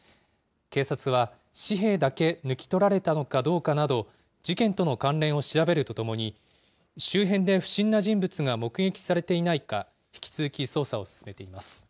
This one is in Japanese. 警察は、紙幣だけ抜き取られたのかどうかなど、事件との関連を調べるとともに、周辺で不審な人物が目撃されていないか、引き続き、捜査を進めています。